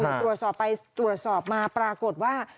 ตรวจสอบไปตรวจสอบมาปรากฏว่า